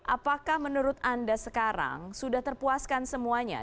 apakah menurut anda sekarang sudah terpuaskan semuanya